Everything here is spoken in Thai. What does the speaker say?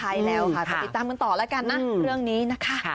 ใช่แล้วค่ะจะติดตามกันต่อแล้วกันนะเรื่องนี้นะคะ